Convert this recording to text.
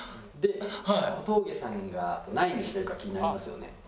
で小峠さんが何位にしてるか気になりますよね。